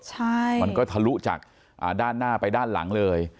ใช่มันก็ทะลุจากด้านหน้าไปด้านหลังเลย